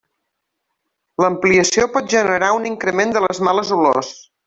L'ampliació pot generar un increment de les males olors.